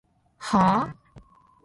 はぁ？